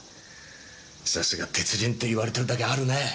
さすが鉄人って言われてるだけあるね。